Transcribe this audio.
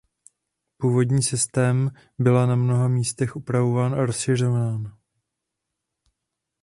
Původní systém byla na mnoha místech upravován a rozšiřován.